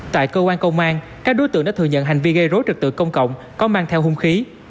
tại cơ quan công an các đối tượng đã thừa nhận hành vi gây rối trực tự công cộng có mang theo hung khí